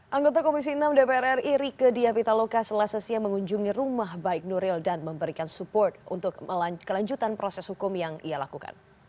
anggota komisi enam dpr ri rike diapitaloka selasa siang mengunjungi rumah baik nuril dan memberikan support untuk kelanjutan proses hukum yang ia lakukan